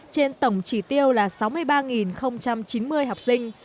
trên tổng chỉ tiêu là sáu mươi ba chín mươi học sinh